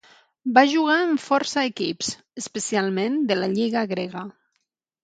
Va jugar en força equips, especialment de la Lliga grega.